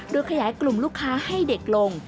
โดยขยายกลุ่มลูกค้าให้เด็กลง